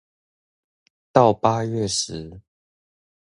到八月時